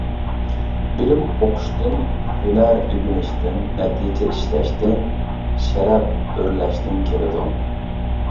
بىلىم ئوقۇشتىن، ھۈنەر ئۆگىنىشتىن، نەتىجە ئىشلەشتىن، شەرەپ ئۆرلەشتىن كېلىدۇ.